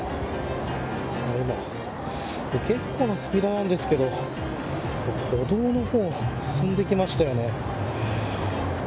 結構なスピードなんですけど歩道の方、進んでいきましたね。